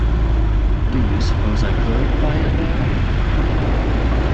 Do you suppose I could, by and by?